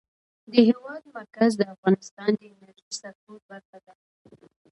د هېواد مرکز د افغانستان د انرژۍ سکتور برخه ده.